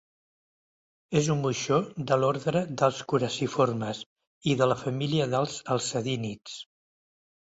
És un moixó de l'ordre dels coraciformes i de la família dels alcedínids.